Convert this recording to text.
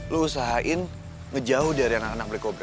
lo usahain ngejauh dari anak anak black cobra